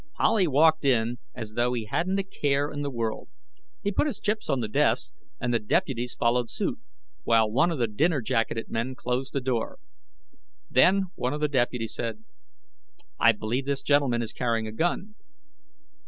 Howley walked in as though he hadn't a care in the world. He put his chips on the desk, and the deputies followed suit, while one of the dinner jacketed men closed the door. Then one of the deputies said: "I believe this gentleman is carrying a gun."